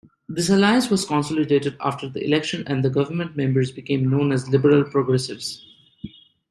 This alliance was consolidated after the election, and government members became known as "Liberal-Progressives".